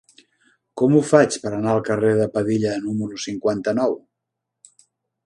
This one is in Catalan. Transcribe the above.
Com ho faig per anar al carrer de Padilla número cinquanta-nou?